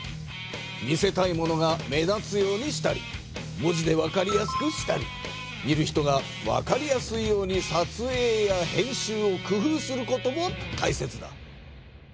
見せたいものが目立つようにしたり文字で分かりやすくしたり見る人が分かりやすいように撮影や編集を工夫することもたいせつだ。